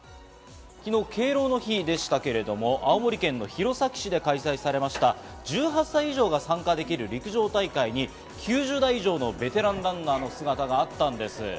昨日、敬老の日でしたけれども、青森県の弘前市で開催されました１８歳以上が参加できる陸上大会に９０代以上のベテランランナーの姿があったんです。